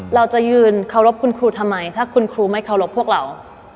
เราจะยืนเคารพคุณครูทำไมถ้าคุณครูไม่เคารพพวกเรา